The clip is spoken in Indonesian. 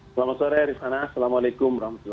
selamat sore rizana assalamualaikum wr wb